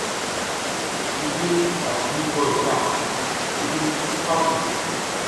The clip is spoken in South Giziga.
I gil ati miyi ɗuhoy ta, i gil pal ɗu.